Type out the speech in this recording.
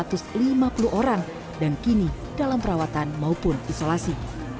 pasien covid sembilan belas mencapai satu delapan ratus lima puluh orang dan kini dalam perawatan maupun isolasi